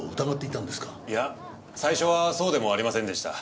いや最初はそうでもありませんでした。